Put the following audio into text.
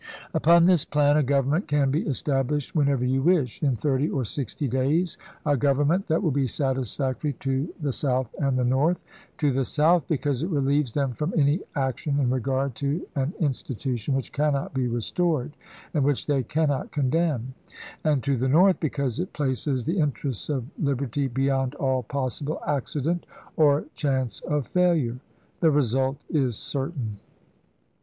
" Upon this plan a government can be estab lished whenever you wish — in thirty or sixty days : a government that will be satisfactory to the South 430 ABEAHAM LINCOLN ch. XVII. and the North ; to the South, because it relieves them from any action in regard to an institution which cannot be restored, and which they cannot condemn ; and to the North, because it places the to Lhicoin, interests of liberty beyond all possible accident or iself ■ MS. chance of failure. The result is certain."